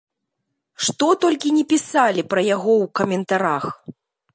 Што толькі не пісалі пра яго ў каментарах!